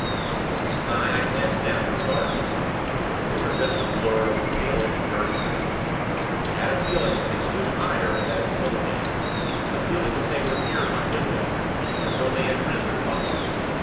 From the sky, I glanced down to the gardens. They were just a blur of a palish, dirty green. I had a feeling that they stood higher, than in the old days; a feeling that they were nearer my window, as though they had risen, bodily.